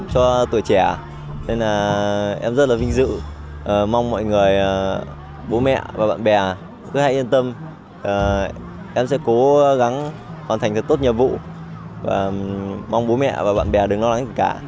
cho tuổi trẻ nên là em rất là vinh dự mong mọi người bố mẹ và bạn bè cứ hãy yên tâm em sẽ cố gắng hoàn thành thật tốt nhiệm vụ và mong bố mẹ và bạn bè đừng lo lắng gì cả